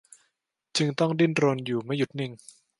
จึงต้องดิ้นรนอยู่ไม่หยุดนิ่ง